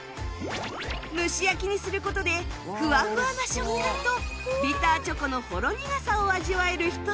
蒸し焼きにする事でふわふわな食感とビターチョコのほろ苦さを味わえるひと品